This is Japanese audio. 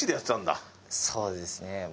そうですね。